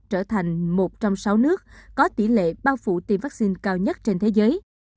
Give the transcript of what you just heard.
trở thành một trong sáu nước có tỷ lệ bao phủ tiêm vaccine cao nhất trên thế giới